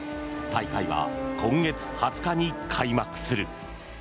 大会は今月２０日に開幕する。